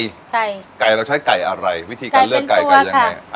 ไก่ไก่เราใช้ไก่อะไรวิธีการเลือกไก่ไก่เป็นตัวค่ะไก่เป็นตัวค่ะ